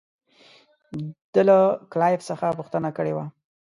ده له کلایف څخه پوښتنه کړې وه.